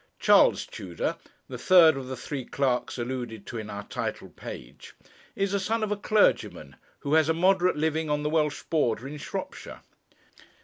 Charles Tudor, the third of the three clerks alluded to in our title page, is the son of a clergyman, who has a moderate living on the Welsh border, in Shropshire.